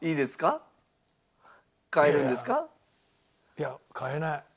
いや変えない。